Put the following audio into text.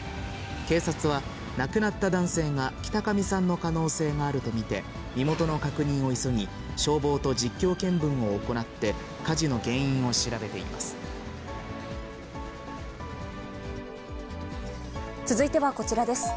警察は、亡くなった男性が北上さんの可能性があると見て、身元の確認を急ぎ、消防と実況見分を行って、火事の原因を調べて続いてはこちらです。